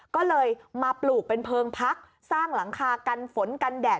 ก็เลยมาปลูกเป็นเพลิงพักสร้างหลังคากันฝนกันแดด